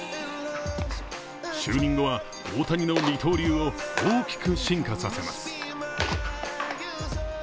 就任後は、大谷の二刀流を大きく進化させます。